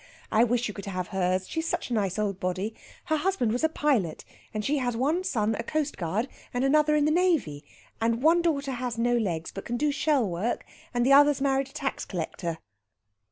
"I wish you could have hers, she's such a nice old body. Her husband was a pilot, and she has one son a coastguard and another in the navy. And one daughter has no legs, but can do shell work; and the other's married a tax collector."